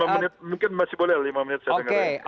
lima menit mungkin masih boleh lima menit saya dengarin